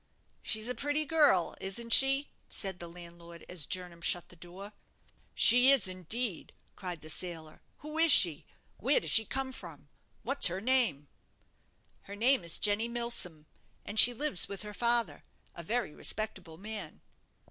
"She's a pretty girl, isn't she?" said the landlord, as Jernam shut the door. "She is, indeed!" cried the sailor. "Who is she? where does she come from? what's her name?" "Her name is Jenny Milsom, and she lives with her father, a very respectable man."